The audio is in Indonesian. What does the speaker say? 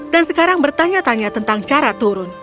dan sekarang bertanya tanya tentang cara turun